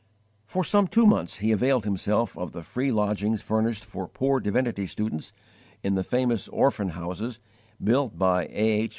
For some two months he availed himself of the free lodgings furnished for poor divinity students in the famous _Orphan Houses built by A. H.